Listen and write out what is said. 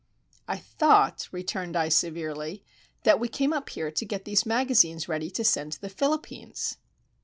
"I thought," returned I, severely, "that we came up here to get these magazines ready to send to the Philippines?"